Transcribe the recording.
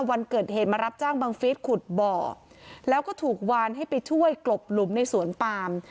วันเกิดเหตุมารับจ้างบังฟิศขุดบ่อแล้วก็ถูกวานให้ไปช่วยกลบหลุมในสวนปาม